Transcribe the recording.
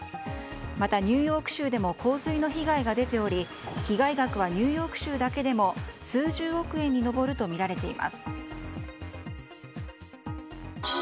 またニューヨーク州でも洪水の被害が出ており被害額はニューヨーク州だけでも数十億円に上るとみられています。